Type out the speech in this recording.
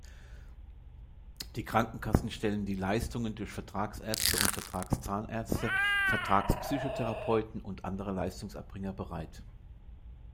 Die Krankenkassen stellen die Leistungen durch Vertragsärzte und Vertragszahnärzte, Vertrags-Psychotherapeuten und andere Leistungserbringer bereit.